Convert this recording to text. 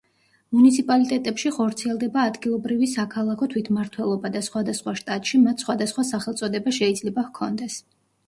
მუნიციპალიტეტებში ხორციელდება ადგილობრივი საქალაქო თვითმმართველობა, და სხვადასხვა შტატში მათ სხვადასხვა სახელწოდება შეიძლება ჰქონდეს.